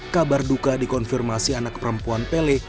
kabar duka dikonfirmasi anak perempuan pele